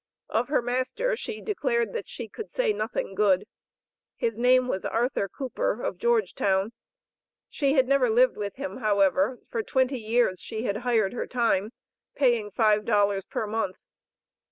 Of her master she declared that she could "say nothing good." His name was Arthur Cooper, of Georgetown; she had never lived with him, however; for twenty years she had hired her time, paying five dollars per month.